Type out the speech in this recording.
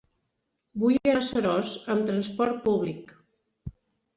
Vull anar a Seròs amb trasport públic.